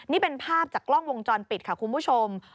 นี่เป็นภาพจากกล้องวงจรปิดค่ะคุณผู้ชม